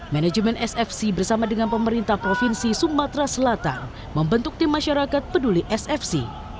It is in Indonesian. manajemen sfc bersama dengan pemerintah provinsi sumatera selatan membentuk tim masyarakat peduli sfc